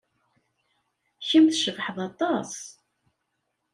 Kemm tcebḥed aṭas.